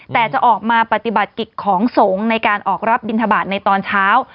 แต่จะออกมาปฏิบัติกิจของสงฆ์ในการออกรับบินทบาทในตอนเช้า